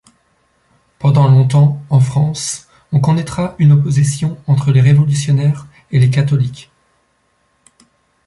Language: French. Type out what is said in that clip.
Pendant longtemps, en France, on connaîtra une opposition entre les révolutionnaires et les catholiques.